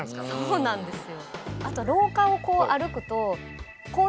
そうなんですよ。